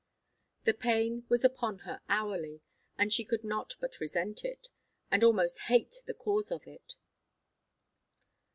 The pain was upon her hourly, and she could not but resent it, and almost hate the cause of it.